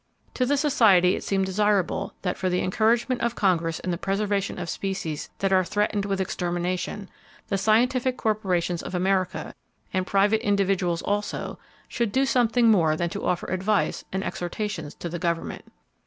To the Society it seemed desirable that for the encouragement of Congress in the preservation of species that [Page 342] are threatened with extermination, the scientific corporations of America, and private individuals also, should do something more than to offer advice and exhortations to the government.